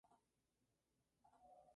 Es originaria de una tribu china amazona.